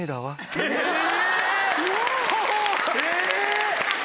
え‼